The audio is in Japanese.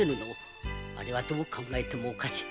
あれはどう考えてもおかしい。